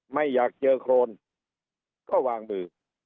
ไม่อยากเจอโครนก็วางมือ